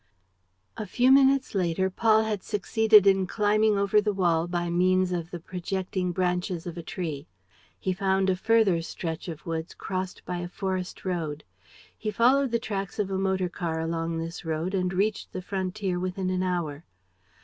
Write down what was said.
A few minutes later Paul had succeeded in climbing over the wall by means of the projecting branches of a tree. He found a further stretch of woods, crossed by a forest road. He followed the tracks of a motor car along this road and reached the frontier within an hour.